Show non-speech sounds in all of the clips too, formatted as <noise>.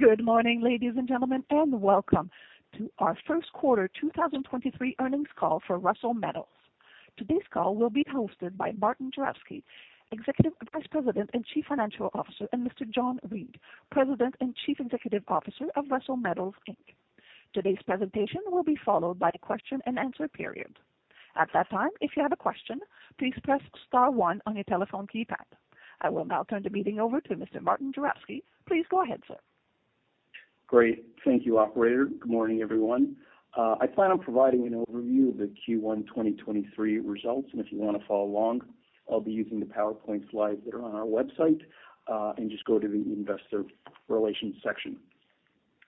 Good morning, ladies and gentlemen, and welcome to our first quarter 2023 earnings call for Russel Metals. Today's call will be hosted by Martin Juravsky, Executive Vice President and Chief Financial Officer, and Mr. John Reid, President and Chief Executive Officer of Russel Metals Inc. Today's presentation will be followed by the question-and-answer period. At that time, if you have a question, please press star one on your telephone keypad. I will now turn the meeting over to Mr. Martin Juravsky. Please go ahead, sir. Great. Thank you, operator. Good morning, everyone. I plan on providing an overview of the Q1 2023 results. If you wanna follow along, I'll be using the PowerPoint slides that are on our website, and just go to the investor relations section.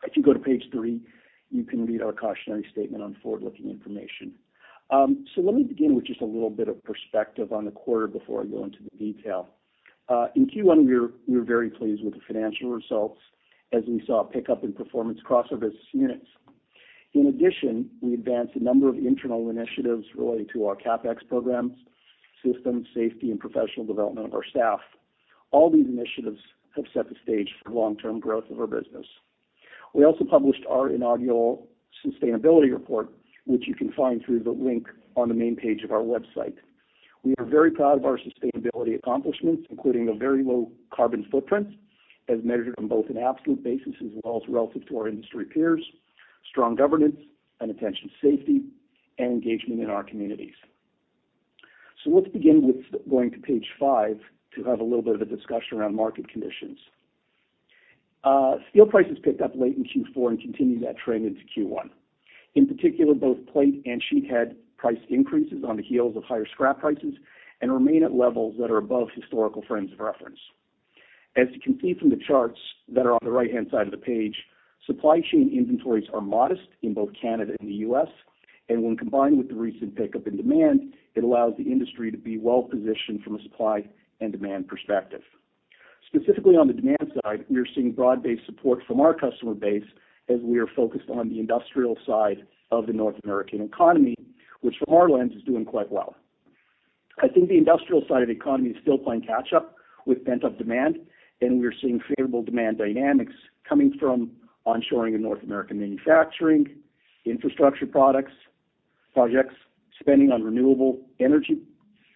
If you go to page three, you can read our cautionary statement on forward-looking information. Let me begin with just a little bit of perspective on the quarter before I go into the detail. In Q1, we're very pleased with the financial results as we saw a pickup in performance across our business units. In addition, we advanced a number of internal initiatives related to our CapEx programs, systems, safety, and professional development of our staff. All these initiatives have set the stage for long-term growth of our business. We also published our inaugural sustainability report, which you can find through the link on the main page of our website. We are very proud of our sustainability accomplishments, including a very low carbon footprint as measured on both an absolute basis as well as relative to our industry peers, strong governance and attention to safety, and engagement in our communities. Let's begin with going to page five to have a little bit of a discussion around market conditions. Steel prices picked up late in Q4 and continued that trend into Q1. In particular, both plate and sheet had price increases on the heels of higher scrap prices and remain at levels that are above historical frames of reference. As you can see from the charts that are on the right-hand side of the page, supply chain inventories are modest in both Canada and the U.S. When combined with the recent pickup in demand, it allows the industry to be well-positioned from a supply and demand perspective. Specifically, on the demand side, we are seeing broad-based support from our customer base as we are focused on the industrial side of the North American economy, which from our lens, is doing quite well. I think the industrial side of the economy is still playing catch up with pent-up demand. We are seeing favorable demand dynamics coming from onshoring of North American manufacturing, infrastructure products, projects, spending on renewable energy,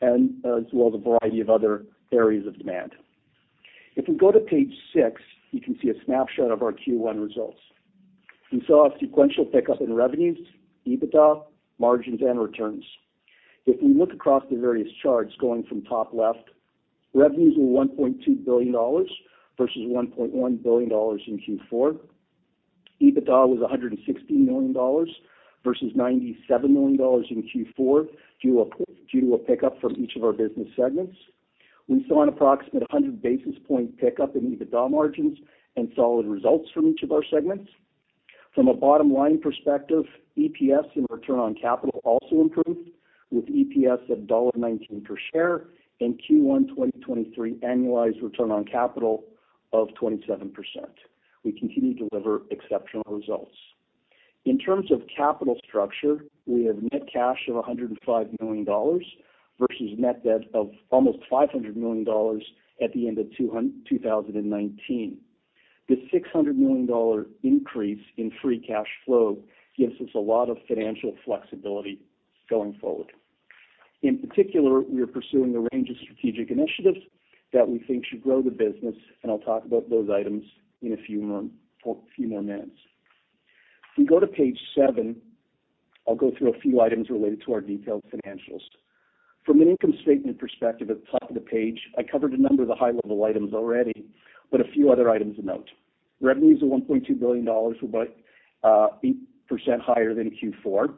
and as well as a variety of other areas of demand. If we go to page six, you can see a snapshot of our Q1 results. We saw a sequential pickup in revenues, EBITDA, margins, and returns. If we look across the various charts going from top left, revenues were 1.2 billion dollars versus 1.1 billion dollars in Q4. EBITDA was 160 million dollars versus 97 million dollars in Q4, due to a pickup from each of our business segments. We saw an approximate 100 basis point pickup in EBITDA margins and solid results from each of our segments. From a bottom-line perspective, EPS and return on capital also improved with EPS of dollar 1.19 per share and Q1 2023 annualized return on capital of 27%. We continue to deliver exceptional results. In terms of capital structure, we have net cash of 105 million dollars versus net debt of almost 500 million dollars at the end of 2019. The 600 million dollar increase in free cash flow gives us a lot of financial flexibility going forward. In particular, we are pursuing a range of strategic initiatives that we think should grow the business, and I'll talk about those items for a few more minutes. If we go to page seven, I'll go through a few items related to our detailed financials. From an income statement perspective at the top of the page, I covered a number of the high-level items already, but a few other items to note. Revenues of 1.2 billion dollars were by 8% higher than in Q4.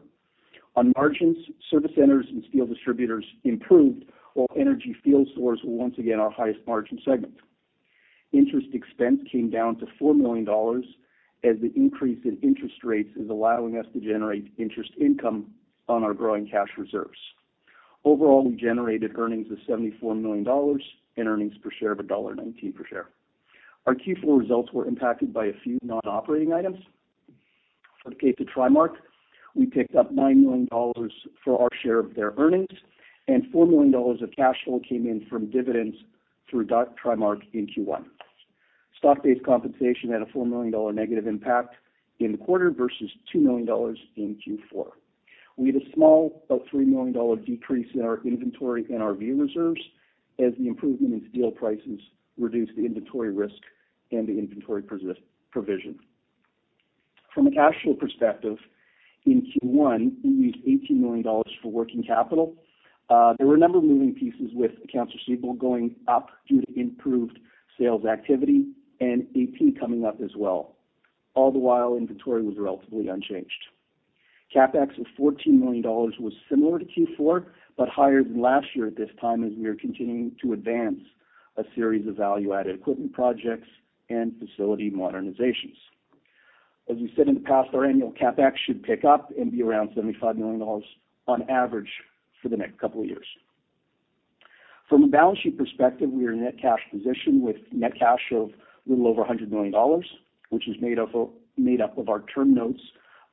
On margins, service centers and steel distributors improved while energy field stores was once again our highest margin segment. Interest expense came down to 4 million dollars, as the increase in interest rates is allowing us to generate interest income on our growing cash reserves. Overall, we generated earnings of 74 million dollars and earnings per share of dollar 1.19 per share. Our Q4 results were impacted by a few non-operating items. For the case of TriMark, we picked up 9 million dollars for our share of their earnings, and 4 million dollars of cash flow came in from dividends through TriMark in Q1. Stock-based compensation had a 4 million dollar negative impact in the quarter versus 2 million dollars in Q4. We had a small, about 3 million dollar decrease in our inventory and our view reserves as the improvement in steel prices reduced the inventory risk and the inventory provision. From a cash flow perspective, in Q1, we used $18 million for working capital. There were a number of moving pieces with accounts receivable going up due to improved sales activity and AP coming up as well. All the while, inventory was relatively unchanged. CapEx of $14 million was similar to Q4, but higher than last year at this time as we are continuing to advance a series of value-added equipment projects and facility modernizations. As we said in the past, our annual CapEx should pick up and be around $75 million on average for the next couple of years. From a balance sheet perspective, we are in a net cash position with net cash of a little over 100 million dollars, which is made up of our term notes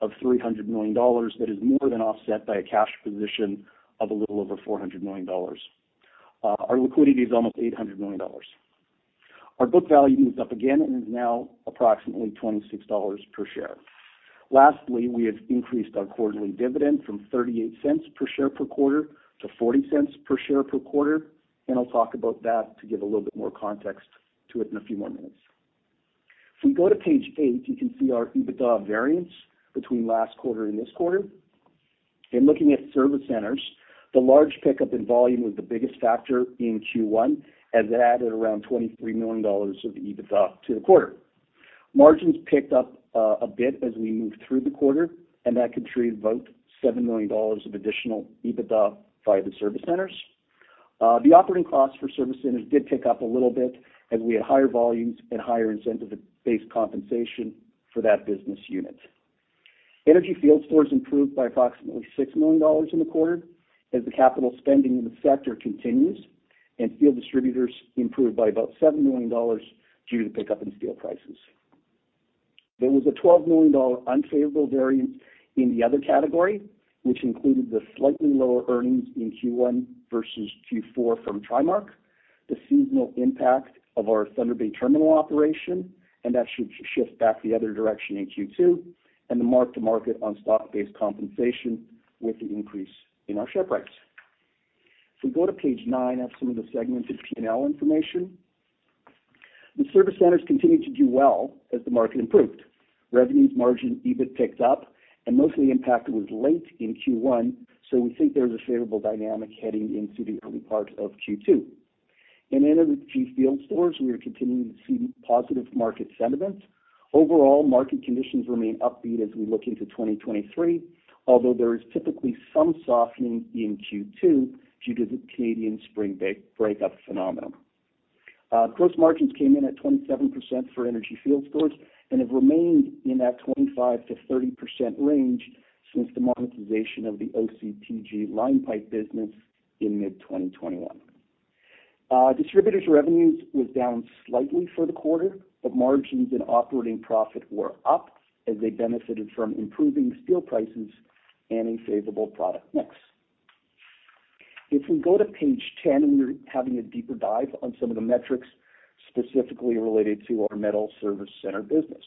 of 300 million dollars that is more than offset by a cash position of a little over 400 million dollars. Our liquidity is almost 800 million dollars. Our book value is up again and is now approximately 26 dollars per share. Lastly, we have increased our quarterly dividend from 0.38 per share per quarter to 0.40 per share per quarter. I'll talk about that to give a little bit more context to it in a few more minutes. If we go to page eight, you can see our EBITDA variance between last quarter and this quarter. In looking at service centers, the large pickup in volume was the biggest factor in Q1, as it added around 23 million dollars of EBITDA to the quarter. Margins picked up a bit as we moved through the quarter, and that contributed about 7 million dollars of additional EBITDA via the service centers. The operating costs for service centers did pick up a little bit as we had higher volumes and higher incentive-based compensation for that business unit. Energy field stores improved by approximately 6 million dollars in the quarter as the capital spending in the sector continues. Field distributors improved by about 7 million dollars due to pickup in steel prices. There was a 12 million dollar unfavorable variance in the other category, which included the slightly lower earnings in Q1 versus Q4 from TriMark, the seasonal impact of our Thunder Bay terminal operation, and that should shift back the other direction in Q2, and the mark-to-market on stock-based compensation with the increase in our share price. If we go to page nine, that's some of the segmented P&L information. The service centers continued to do well as the market improved. Revenues, margin, EBIT picked up. Most of the impact was late in Q1. We think there's a favorable dynamic heading into the early part of Q2. In energy field stores, we are continuing to see positive market sentiment. Overall, market conditions remain upbeat as we look into 2023, although there is typically some softening in Q2 due to the Canadian spring breakup phenomenon. Gross margins came in at 27% for energy field stores and have remained in that 25%-30% range since the monetization of the OCTG line pipe business in mid-2021. Distributors' revenues was down slightly for the quarter, but margins and operating profit were up as they benefited from improving steel prices and a favorable product mix. If we go to page 10, and we're having a deeper dive on some of the metrics specifically related to our metal service center business.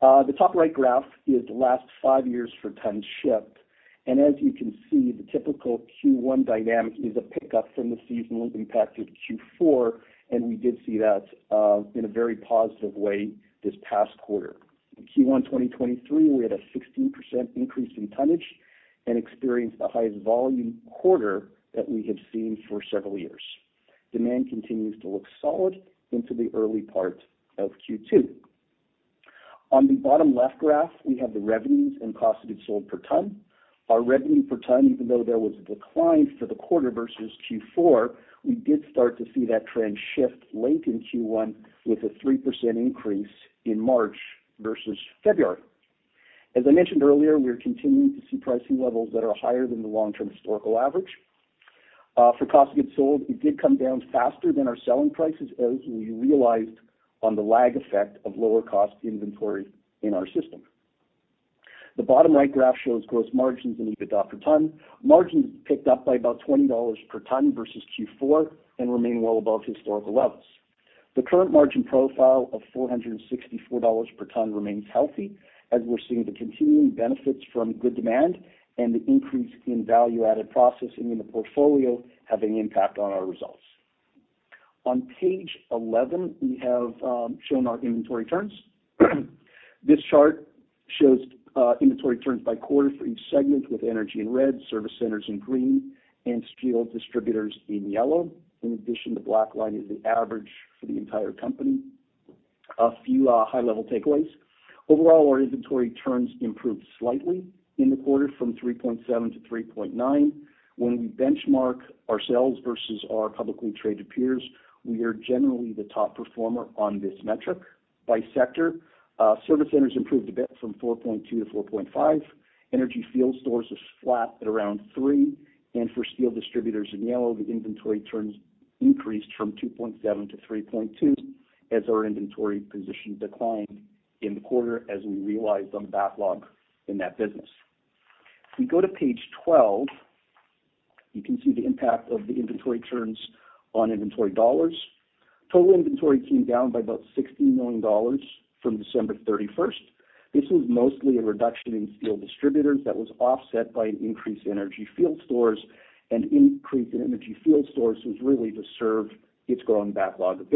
The top right graph is the last five years for tons shipped. As you can see, the typical Q1 dynamic is a pickup from the seasonal impact of Q4, and we did see that in a very positive way this past quarter. In Q1 2023, we had a 16% increase in tonnage and experienced the highest volume quarter that we have seen for several years. Demand continues to look solid into the early part of Q2. On the bottom left graph, we have the revenues and cost of goods sold per ton. Our revenue per ton, even though there was a decline for the quarter versus Q4, we did start to see that trend shift late in Q1 with a 3% increase in March versus February. For cost of goods sold, it did come down faster than our selling prices as we realized on the lag effect of lower cost inventory in our system. The bottom right graph shows gross margins and EBITDA per ton. Margins picked up by about $20 per ton versus Q4 and remain well above historical levels. The current margin profile of $464 per ton remains healthy as we're seeing the continuing benefits from good demand and the increase in value-added processing in the portfolio having impact on our results. On page 11, we have shown our inventory turns. This chart shows inventory turns by quarter for each segment with energy in red, service centers in green, and steel distributors in yellow. In addition, the black line is the average for the entire company. A few high-level takeaways. Overall, our inventory turns improved slightly in the quarter from 3.7-3.9. When we benchmark ourselves versus our publicly traded peers, we are generally the top performer on this metric. By sector, service centers improved a bit from 4.2-4.5. Energy field stores is flat at around three. For steel distributors in yellow, the inventory turns increased from 2.7-3.2 as our inventory position declined in the quarter as we realized on backlog in that business. If we go to page 12, you can see the impact of the inventory turns on inventory dollars. Total inventory came down by about 60 million dollars from December 31st. This was mostly a reduction in steel distributors that was offset by an increase in energy field stores. An increase in energy field stores was really to serve its growing backlog of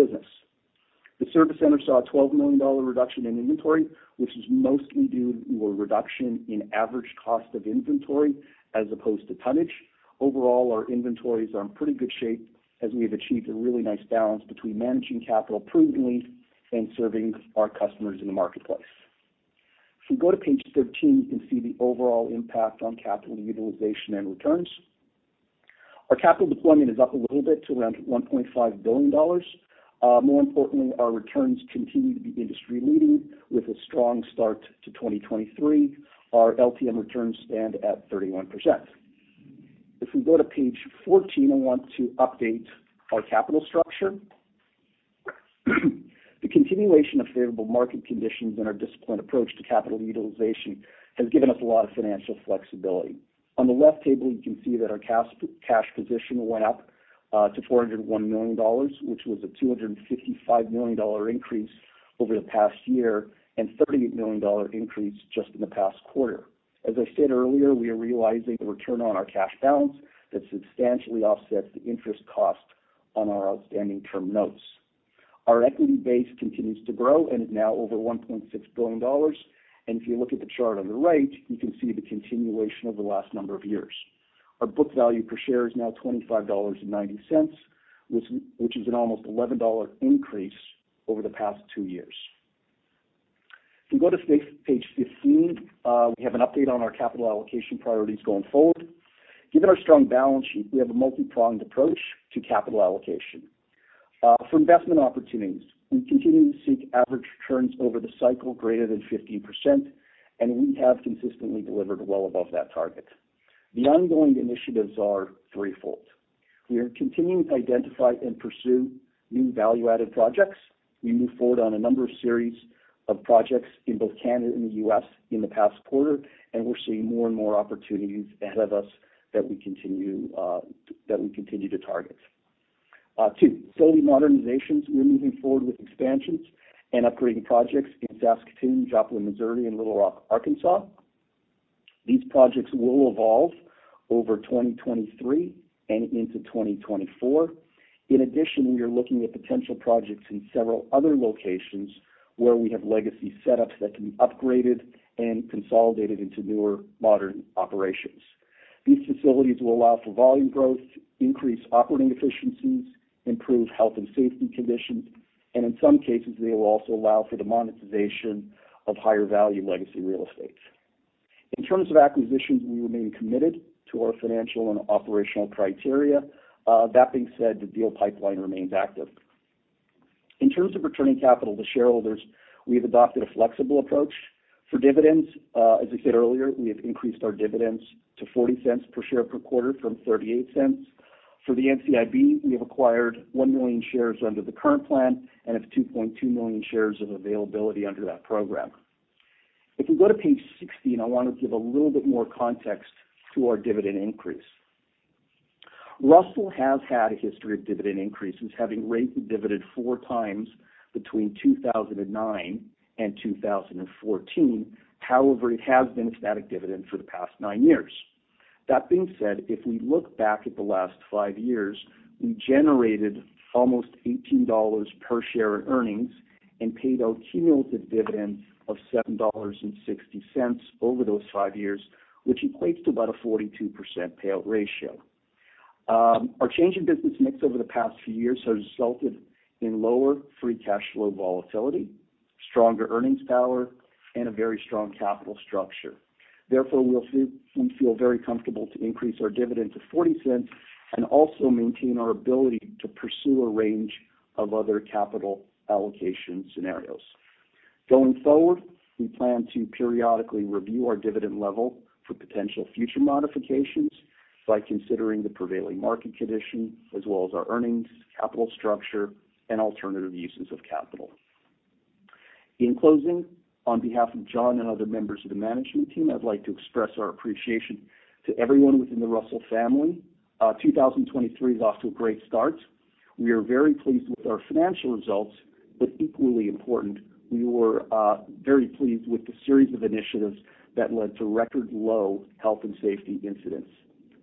business. The service center saw a 12 million dollar reduction in inventory, which was mostly due to a reduction in average cost of inventory as opposed to tonnage. Overall, our inventories are in pretty good shape as we have achieved a really nice balance between managing capital prudently and serving our customers in the marketplace. If we go to page 13, you can see the overall impact on capital utilization and returns. Our capital deployment is up a little bit to around 1.5 billion dollars. More importantly, our returns continue to be industry-leading with a strong start to 2023. Our LTM returns stand at 31%. If we go to page 14, I want to update our capital structure. The continuation of favorable market conditions and our disciplined approach to capital utilization has given us a lot of financial flexibility. On the left table, you can see that our cash position went up to 401 million dollars, which was a 255 million dollar increase over the past year, and 38 million dollar increase just in the past quarter. As I said earlier, we are realizing the return on our cash balance that substantially offsets the interest cost on our outstanding term notes. Our equity base continues to grow and is now over 1.6 billion dollars. If you look at the chart on the right, you can see the continuation over the last number of years. Our book value per share is now 25.90 dollars, which is an almost 11 dollar increase over the past two years. If we go to page 15, we have an update on our capital allocation priorities going forward. Given our strong balance sheet, we have a multi-pronged approach to capital allocation. For investment opportunities, we continue to seek average returns over the cycle greater than 15%, and we have consistently delivered well above that target. The ongoing initiatives are threefold. We are continuing to identify and pursue new value-added projects. We moved forward on a number of series of projects in both Canada and the U.S. in the past quarter, and we're seeing more and more opportunities ahead of us that we continue, that we continue to target. Two, facility modernizations. We're moving forward with expansions and upgrading projects in Saskatoon, Joplin, Missouri, and Little Rock, Arkansas. These projects will evolve over 2023 and into 2024. In addition, we are looking at potential projects in several other locations where we have legacy setups that can be upgraded and consolidated into newer, modern operations. These facilities will allow for volume growth, increase operating efficiencies, improve health and safety conditions, and in some cases, they will also allow for the monetization of higher value legacy real estate. In terms of acquisitions, we remain committed to our financial and operational criteria. That being said, the deal pipeline remains active. In terms of returning capital to shareholders, we have adopted a flexible approach. For dividends, as I said earlier, we have increased our dividends to 0.40 per share per quarter from 0.38. For the NCIB, we have acquired 1 million shares under the current plan and have 2.2 million shares of availability under that program. If we go to page 16, I wanna give a little bit more context to our dividend increase. Russel has had a history of dividend increases, having raised the dividend four times between 2009 and 2014. It has been a static dividend for the past nine years. That being said, if we look back at the last five years, we generated almost 18 dollars per share in earnings and paid out cumulative dividends of 7.60 dollars over those five years, which equates to about a 42% payout ratio. Our change in business mix over the past few years has resulted in lower free cash flow volatility, stronger earnings power, and a very strong capital structure. We'll feel very comfortable to increase our dividend to 0.40 and also maintain our ability to pursue a range of other capital allocation scenarios. We plan to periodically review our dividend level for potential future modifications by considering the prevailing market condition as well as our earnings, capital structure, and alternative uses of capital. In closing, on behalf of John and other members of the management team, I'd like to express our appreciation to everyone within the Russel family. 2023 is off to a great start. We are very pleased with our financial results, but equally important, we were very pleased with the series of initiatives that led to record low health and safety incidents.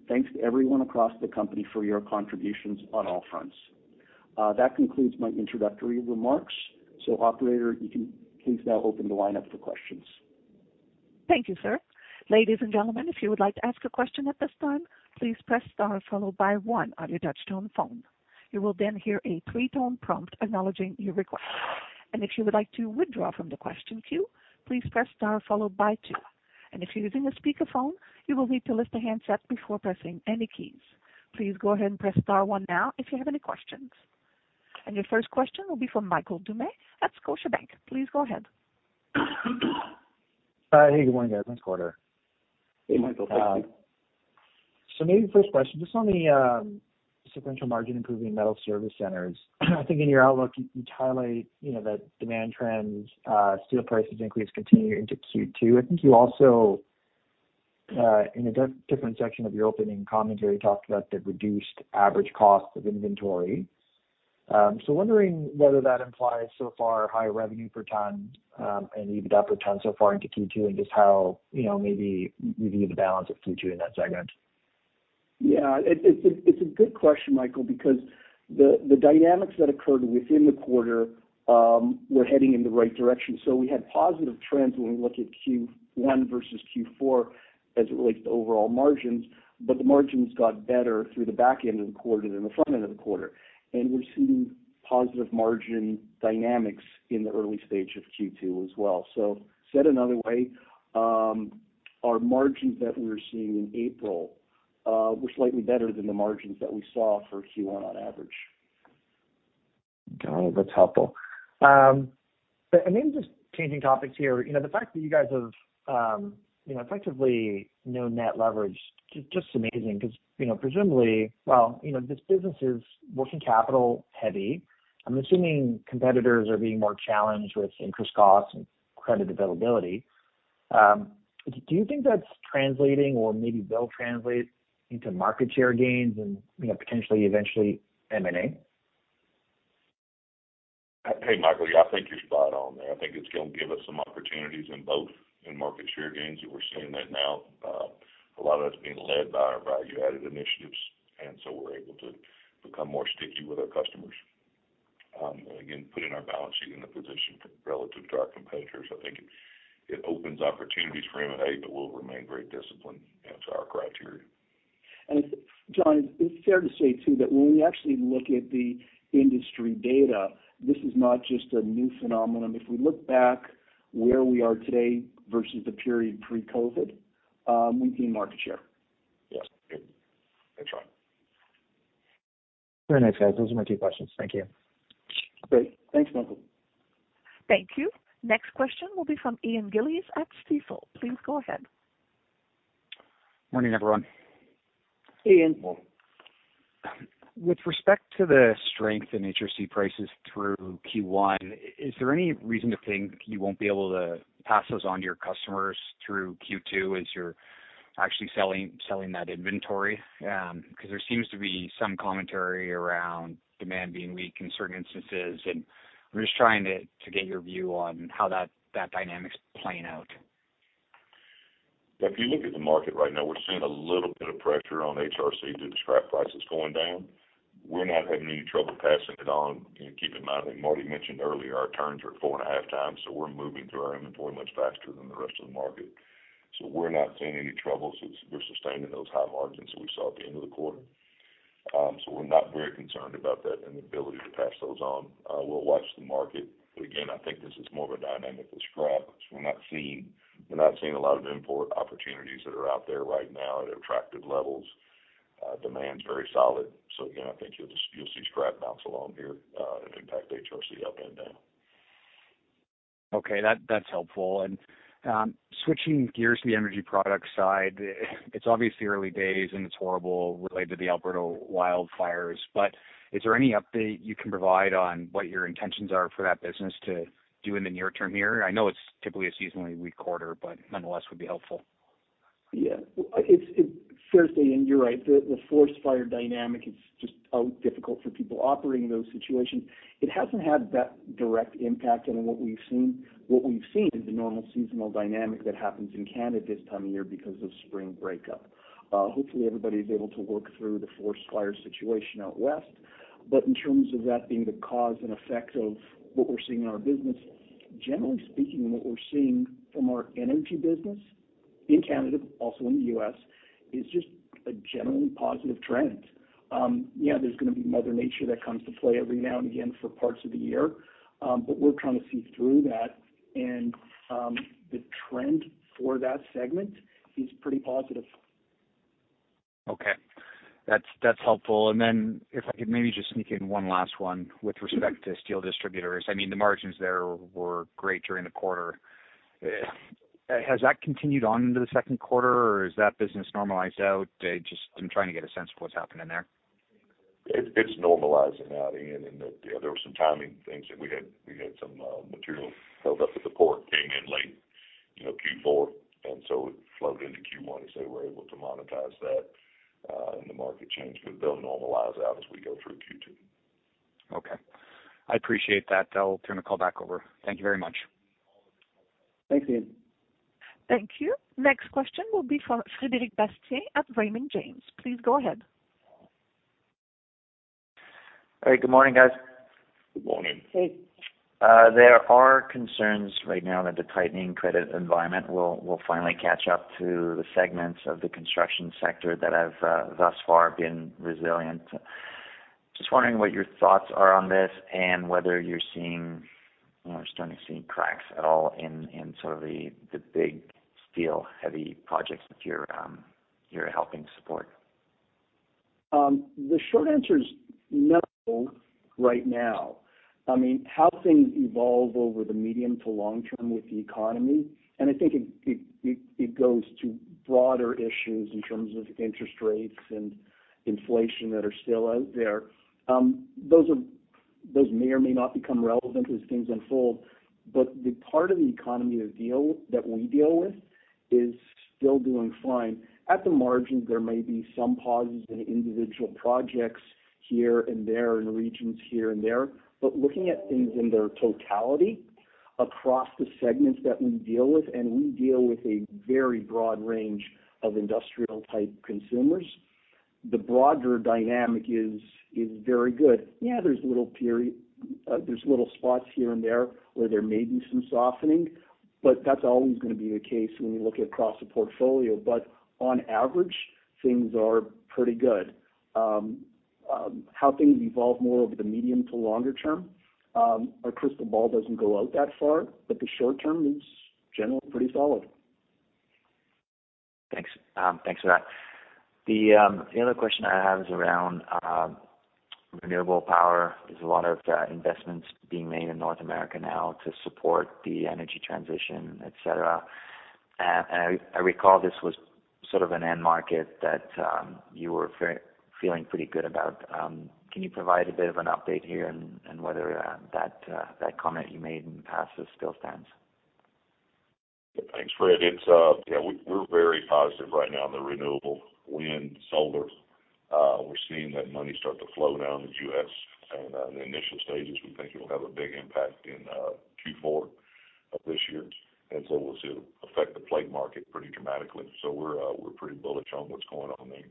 Thanks to everyone across the company for your contributions on all fronts. That concludes my introductory remarks. Operator, you can please now open the line up for questions. Thank you, sir. Ladies and gentlemen, if you would like to ask a question at this time, please press star followed by one on your touchtone phone. You will then hear a three-tone prompt acknowledging your request. If you would like to withdraw from the question queue, please press star followed by two. If you're using a speakerphone, you will need to lift the handset before pressing any keys. Please go ahead and press star one now if you have any questions. Your first question will be from Michael Doumet at Scotiabank. Please go ahead. <crosstalk> Maybe first question, just on the sequential margin improving metal service centers. I think in your outlook, you highlight, you know, that demand trends, steel prices increase continue into Q2. I think you also, in a different section of your opening commentary, talked about the reduced average cost of inventory. Wondering whether that implies so far higher revenue per ton, and EBITDA per ton so far into Q2, and just how, you know, maybe you view the balance of Q2 in that segment. Yeah. It's a good question, Michael, because the dynamics that occurred within the quarter were heading in the right direction. We had positive trends when we look at Q1 versus Q4 as it relates to overall margins, but the margins got better through the back end of the quarter than the front end of the quarter. We're seeing positive margin dynamics in the early stage of Q2 as well. Said another way, our margins that we're seeing in April were slightly better than the margins that we saw for Q1 on average. Got it. That's helpful. Maybe just changing topics here. You know, the fact that you guys have, you know, effectively no net leverage is just amazing because, you know, presumably, well, you know, this business is working capital heavy. I'm assuming competitors are being more challenged with interest costs and credit availability. Do you think that's translating or maybe will translate into market share gains and, you know, potentially eventually M&A? Hey, Michael, I think you're spot on there. I think it's gonna give us some opportunities in both in market share gains, and we're seeing that now, a lot of that's being led by our value-added initiatives, and so we're able to become more sticky with our customers. Again, putting our balance sheet in a position relative to our competitors, I think it opens opportunities for M&A, but we'll remain very disciplined to our criteria. John, is it fair to say too that when we actually look at the industry data, this is not just a new phenomenon? If we look back where we are today versus the period pre-COVID, we've gained market share. Yes. That's right. Very nice, guys. Those are my two questions. Thank you. Great. Thanks, Michael. Thank you. Next question will be from Ian Gillies at Stifel. Please go ahead. Morning, everyone. Ian. Morning. With respect to the strength in HRC prices through Q1, is there any reason to think you won't be able to pass those on to your customers through Q2 as you're actually selling that inventory? 'Cause there seems to be some commentary around demand being weak in certain instances, and I'm just trying to get your view on how that dynamic's playing out. If you look at the market right now, we're seeing a little bit of pressure on HRC due to scrap prices going down. We're not having any trouble passing it on. Keep in mind, I think Marty mentioned earlier, our turns are four and a half times, so we're moving through our inventory much faster than the rest of the market. We're not seeing any trouble, so we're sustaining those high margins that we saw at the end of the quarter. We're not very concerned about that and the ability to pass those on. We'll watch the market, again, I think this is more of a dynamic with scrap. We're not seeing a lot of import opportunities that are out there right now at attractive levels. Demand's very solid. Again, I think you'll see scrap bounce along here, and impact HRC up and down. Okay, that's helpful. Switching gears to the energy product side, it's obviously early days, and it's horrible related to the Alberta wildfires, but is there any update you can provide on what your intentions are for that business to do in the near term here? I know it's typically a seasonally weak quarter, but nonetheless would be helpful. Yeah. It's Thursday, you're right. The forest fire dynamic is just how difficult for people operating in those situations. It hasn't had that direct impact on what we've seen. What we've seen is the normal seasonal dynamic that happens in Canada this time of year because of spring breakup. Hopefully, everybody is able to work through the forest fire situation out west. In terms of that being the cause and effect of what we're seeing in our business, generally speaking, what we're seeing from our energy business in Canada, also in the U.S., is just a generally positive trend. Yeah, there's gonna be Mother Nature that comes to play every now and again for parts of the year, we're trying to see through that. The trend for that segment is pretty positive. Okay. That's helpful. If I could maybe just sneak in one last one with respect to steel distributors. I mean, the margins there were great during the quarter. Has that continued on into the second quarter, or has that business normalized out? Just I'm trying to get a sense of what's happening there. It's normalizing out, Ian. There were some timing things that we had. We had some material held up at the port, came in late, you know, Q4, and so it flowed into Q1, and so we're able to monetize that, and the market changed, but they'll normalize out as we go through Q2. Okay. I appreciate that. I'll turn the call back over. Thank you very much. Thanks, Ian. Thank you. Next question will be from Frederic Bastien at Raymond James. Please go ahead. All right. Good morning, guys. Good morning. Hey. There are concerns right now that the tightening credit environment will finally catch up to the segments of the construction sector that have thus far been resilient. Just wondering what your thoughts are on this and whether you're seeing or starting to see cracks at all in sort of the big steel-heavy projects that you're helping support. The short answer is no right now. I mean, how things evolve over the medium to long term with the economy, and I think it goes to broader issues in terms of interest rates and inflation that are still out there. Those may or may not become relevant as things unfold, but the part of the economy that we deal with is still doing fine. At the margins, there may be some pauses in individual projects here and there, in regions here and there. Looking at things in their totality across the segments that we deal with, and we deal with a very broad range of industrial-type consumers, the broader dynamic is very good.. Yeah, there's little spots here and there where there may be some softening, but that's always gonna be the case when you look across the portfolio. On average, things are pretty good. How things evolve more over the medium to longer term, our crystal ball doesn't go out that far, but the short term is generally pretty solid. Thanks. Thanks for that. The other question I have is around renewable power. There's a lot of investments being made in North America now to support the energy transition, et cetera. I recall this was sort of an end market that you were feeling pretty good about. Can you provide a bit of an update here and whether that comment you made in the past still stands? Thanks, Fred. It's, yeah, we're very positive right now in the renewable wind, solar. We're seeing that money start to flow down in the U.S. in the initial stages. We think it'll have a big impact in Q4 of this year. We'll see it affect the plate market pretty dramatically. We're pretty bullish on what's going on there.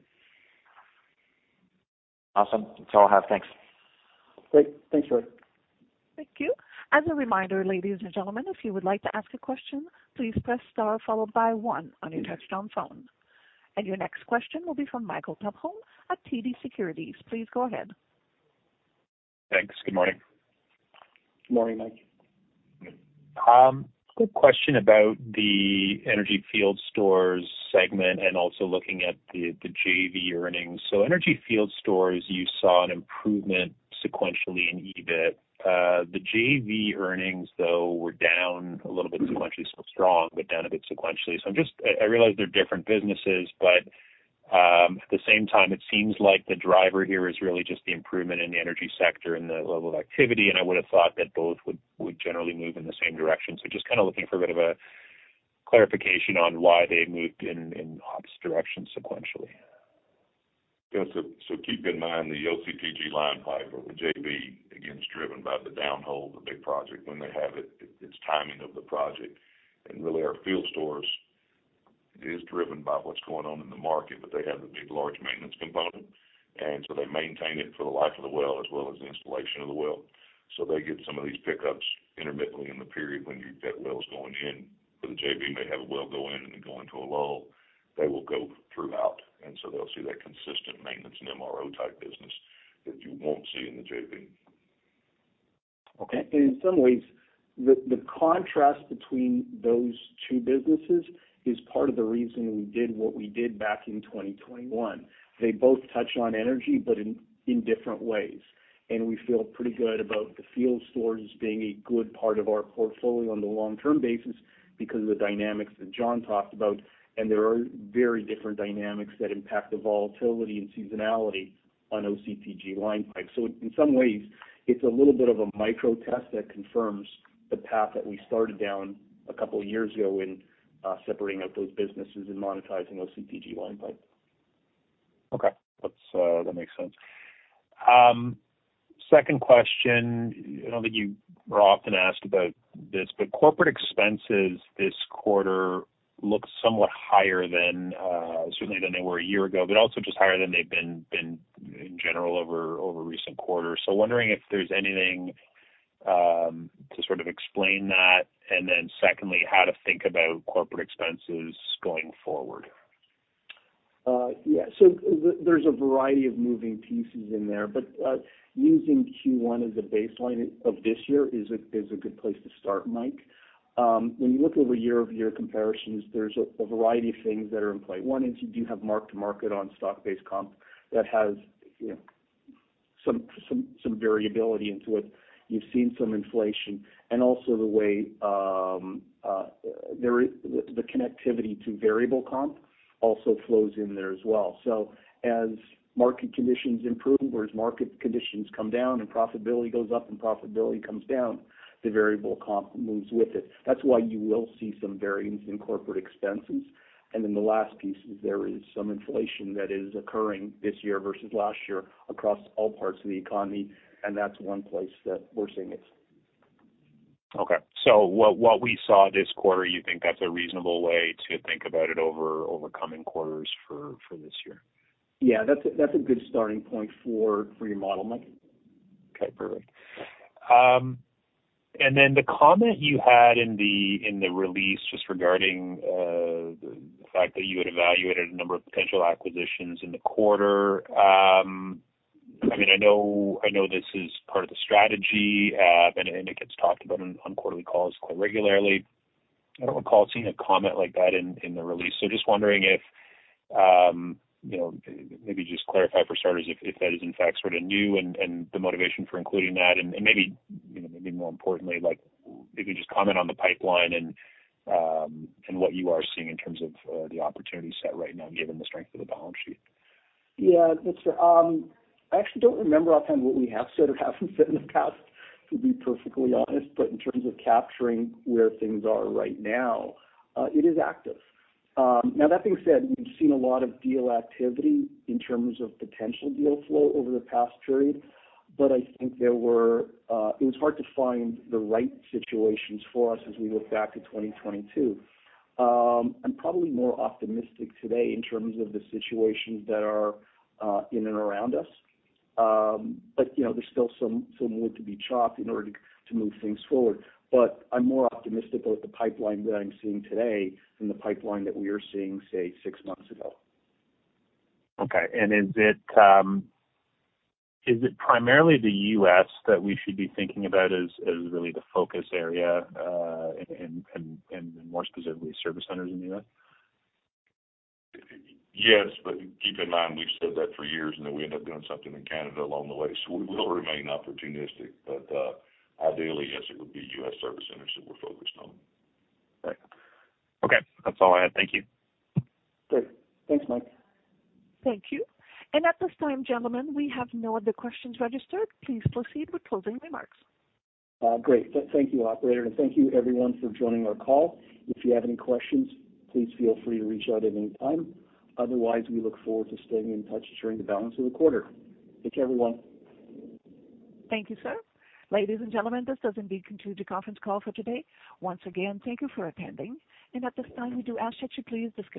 Awesome. That's all I have. Thanks. Great. Thanks, Fred. Thank you. As a reminder, ladies and gentlemen, if you would like to ask a question, please press star followed by one on your touchtone phone. Your next question will be from Michael Tupholme at TD Securities. Please go ahead. Thanks. Good morning. Good morning, Mike. Quick question about the energy field stores segment and also looking at the JV earnings. Energy field stores, you saw an improvement sequentially in EBIT. The JV earnings, though, were down a little bit sequentially. Strong, but down a bit sequentially. I realize they're different businesses, but at the same time, it seems like the driver here is really just the improvement in the energy sector and the level of activity, and I would've thought that both would generally move in the same direction. Just kinda looking for a bit of a clarification on why they moved in opps direction sequentially. So keep in mind, the OCTG/line pipe or the JV, again, it's driven by the downhole, the big project. When they have it's timing of the project. Really our field stores is driven by what's going on in the market, but they have the big large maintenance component. They maintain it for the life of the well as well as the installation of the well. They get some of these pickups intermittently in the period when that well's going in. The JV may have a well go in and then go into a lull. They will go throughout, and so they'll see that consistent maintenance and MRO-type business that you won't see in the JV. Okay. In some ways, the contrast between those two businesses is part of the reason we did what we did back in 2021. They both touch on energy, but in different ways. We feel pretty good about the field stores as being a good part of our portfolio on the long-term basis because of the dynamics that John talked about, and there are very different dynamics that impact the volatility and seasonality on OCTG/line pipe. In some ways, it's a little bit of a micro test that confirms the path that we started down a couple years ago in separating out those businesses and monetizing OCTG/line pipe. Okay. That makes sense. Second question. I don't think you are often asked about this, corporate expenses this quarter look somewhat higher than certainly than they were a year ago, but also just higher than they've been in general over recent quarters. Wondering if there's anything to sort of explain that. Then secondly, how to think about corporate expenses going forward. Yeah. There's a variety of moving pieces in there, but using Q1 as a baseline of this year is a good place to start, Mike. When you look over year-over-year comparisons, there's a variety of things that are in play. One is you do have mark-to-market on stock-based comp that has, you know, some variability into it. You've seen some inflation. Also the way the connectivity to variable comp also flows in there as well. As market conditions improve or as market conditions come down and profitability goes up and profitability comes down, the variable comp moves with it. That's why you will see some variance in corporate expenses. The last piece is there is some inflation that is occurring this year versus last year across all parts of the economy, and that's one place that we're seeing it. Okay. What we saw this quarter, you think that's a reasonable way to think about it over upcoming quarters for this year? Yeah. That's a good starting point for your model, Mike. Okay. Perfect. The comment you had in the release just regarding the fact that you had evaluated a number of potential acquisitions in the quarter. I mean, I know this is part of the strategy, and it gets talked about on quarterly calls quite regularly. I don't recall seeing a comment like that in the release. Just wondering if, you know, maybe just clarify for starters if that is in fact sort of new and the motivation for including that and maybe, you know, maybe more importantly, like maybe just comment on the pipeline and what you are seeing in terms of the opportunity set right now given the strength of the balance sheet. Yeah. I actually don't remember offhand what we have said or haven't said in the past, to be perfectly honest. In terms of capturing where things are right now, it is active. Now that being said, we've seen a lot of deal activity in terms of potential deal flow over the past period. It was hard to find the right situations for us as we look back to 2022. I'm probably more optimistic today in terms of the situations that are in and around us. You know, there's still some wood to be chopped in order to move things forward. I'm more optimistic about the pipeline that I'm seeing today than the pipeline that we were seeing, say, six months ago. Okay. Is it primarily the U.S. that we should be thinking about as really the focus area, and more specifically service centers in the U.S.? Keep in mind, we've said that for years, and then we end up doing something in Canada along the way. We'll remain opportunistic. Ideally, yes, it would be U.S. service centers that we're focused on. Okay. Okay. That's all I had. Thank you. Great. Thanks, Mike. Thank you. At this time, gentlemen, we have no other questions registered. Please proceed with closing remarks. Great. Thank you, operator. Thank you everyone for joining our call. If you have any questions, please feel free to reach out at any time. We look forward to staying in touch during the balance of the quarter. Thanks, everyone. Thank you, sir. Ladies and gentlemen, this does indeed conclude the conference call for today. Once again, thank you for attending. At this time, we do ask that you please disconnect.